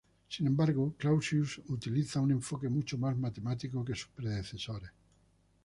Sin embargo, Clausius utiliza un enfoque mucho más matemático que sus predecesores.